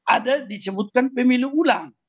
ada disebutkan pemilu ulang